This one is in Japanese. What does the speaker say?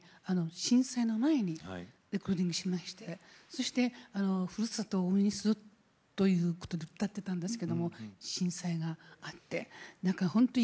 震災の前にレコーディングしましてそしてふるさとを応援するということで歌ってたんですけども震災があってほんと